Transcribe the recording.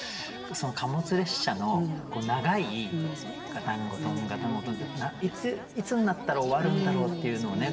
貨物列車の長いガタンゴトンガタンゴトンっていういつになったら終わるんだろう？っていうのをね